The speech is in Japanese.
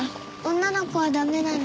女の子は駄目なの？